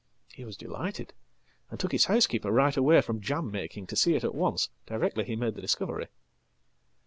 He wasdelighted, and took his housekeeper right away from jam making to see itat once, directly he made the discovery."